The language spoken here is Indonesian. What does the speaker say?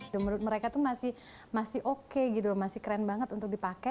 menurut mereka itu masih oke gitu masih keren banget untuk dipakai